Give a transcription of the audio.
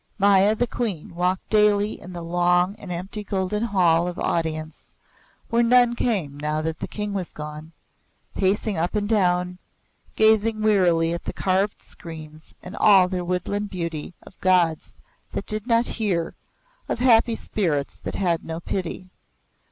Maya the Queen walked daily in the long and empty Golden Hall of Audience, where none came now that the King was gone, pacing up and down, gazing wearily at the carved screens and all their woodland beauty of gods that did not hear, of happy spirits that had no pity.